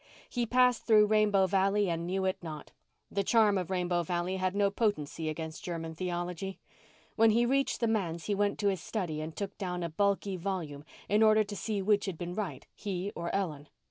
He passed through Rainbow Valley and knew it not. The charm of Rainbow Valley had no potency against German theology. When he reached the manse he went to his study and took down a bulky volume in order to see which had been right, he or Ellen.